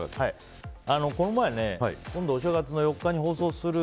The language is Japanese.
今度お正月の４日に放送する